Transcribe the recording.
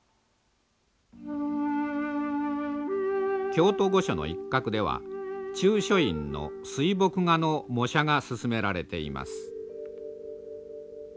京都御所の一角では中書院の水墨画の模写が進められています。